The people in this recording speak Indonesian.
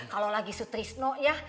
kalo lagi sutrisno ya